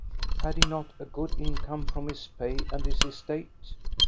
Had he not a good income from his pay and his estate?